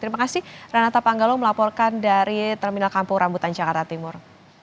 terima kasih ranata panggalo melaporkan dari terminal kampung rambutan jakarta timur